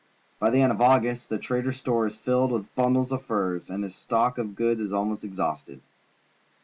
By the end of August the trader's store is filled with bundles of furs, and his stock of goods is almost exhausted.